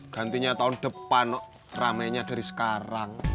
gantinya tahun depan ramainya dari sekarang